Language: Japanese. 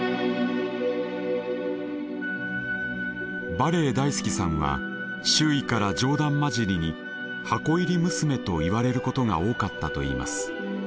バレエ大好きさんは周囲から冗談交じりに「箱入り娘」と言われることが多かったと言います。